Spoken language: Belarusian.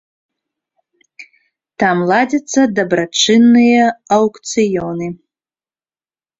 Там ладзяцца дабрачынныя аўкцыёны.